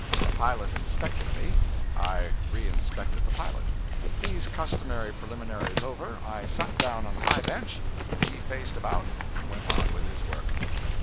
The pilot inspected me; I re inspected the pilot. These customary preliminaries over, I sat down on the high bench, and he faced about and went on with his work.